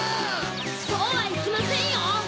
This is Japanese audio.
そうはいきませんよ！